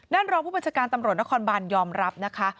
รองผู้บัญชาการตำรวจนครบานยอมรับนะคะ